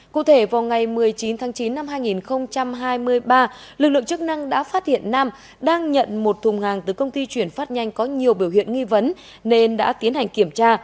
cụ thể vào ngày một mươi chín tháng chín năm hai nghìn hai mươi ba lực lượng chức năng đã phát hiện nam đang nhận một thùng hàng từ công ty chuyển phát nhanh có nhiều biểu hiện nghi vấn nên đã tiến hành kiểm tra